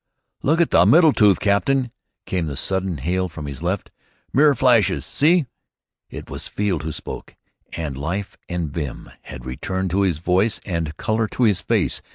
"Look at the middle tooth, captain," came the sudden hail from his left. "Mirror flashes! See!" It was Field who spoke, and life and vim had returned to his voice and color to his face.